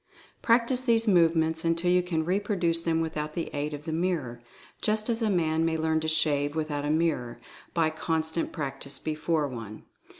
Practice these movements until you can reproduce them without the aid of the mirror, just as a man may learn to shave without a mirror, by constant practice before one.